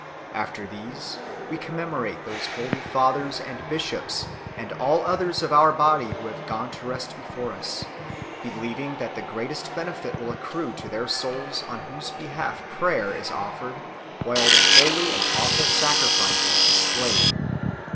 After these, we commemorate those holy fathers and bishops and all others of our body who have gone to rest before us, believing that the greatest benefit will accrue to their souls on whose behalf prayer is offered while the holy and awful sacri fice is displayed."